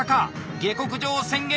「下克上宣言」